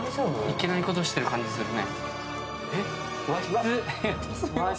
いけないことしてる感じするね。